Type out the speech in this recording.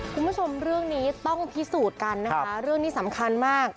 คุณผู้ชมเรื่องนี้ต้องพิสูจน์กันนะคะเรื่องนี้สำคัญมาก